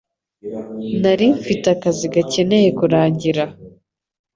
Nari mfite akazi gakeneye kurangira.